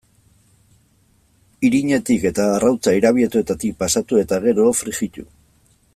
Irinetik eta arrautza irabiatuetatik pasatu eta gero, frijitu.